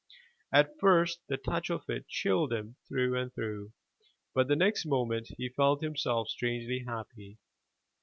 At first the touch of it chilled him through and through, but the next moment he felt himself strangely happy.